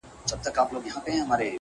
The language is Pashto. o په تا هيـــــڅ خــــبر نـــه يــــم.